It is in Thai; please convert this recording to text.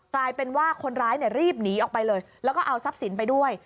กลายเป็นว่าคนร้ายรีบหนีออกไปเลยแล้วก็เอาทรัพย์สินไปด้วย